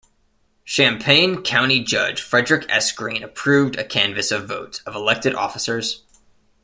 Champaign County Judge Frederick S. Green approved a canvass of votes of elected officers.